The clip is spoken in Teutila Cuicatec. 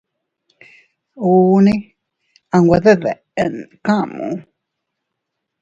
Uune a nwe deden kamu.